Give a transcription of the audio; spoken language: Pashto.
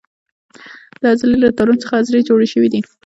د عضلې له تارونو څخه عضلې جوړې شوې دي.